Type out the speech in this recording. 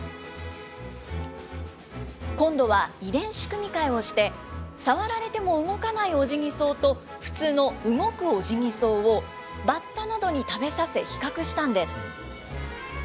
今度は遺伝子組み換えをして、触られても動かないオジギソウと、普通の動くオジギソウを、バッタなどに食べさせ比較したんです。